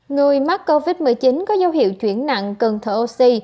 người mắc covid một mươi chín có dấu hiệu chuyển nặng cần thở oxy